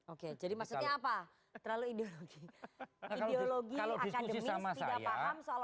oke jadi maksudnya apa